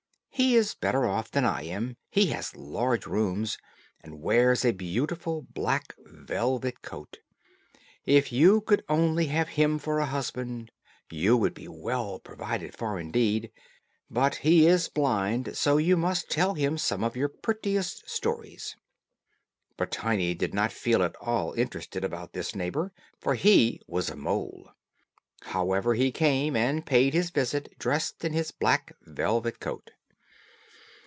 He is better off than I am; he has large rooms, and wears a beautiful black velvet coat. If you could only have him for a husband, you would be well provided for indeed. But he is blind, so you must tell him some of your prettiest stories." But Tiny did not feel at all interested about this neighbor, for he was a mole. However, he came and paid his visit dressed in his black velvet coat.